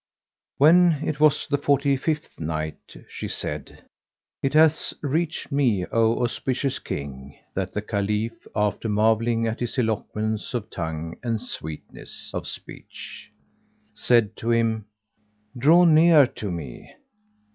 When it was the Forty fifth Night, She said, It hath reached me, O auspicious King, that the Caliph, after marvelling at his eloquence of tongue and sweetness of speech, said to him, "Draw near to me."